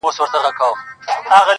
و تاسو ته يې سپين مخ لارښوونکی، د ژوند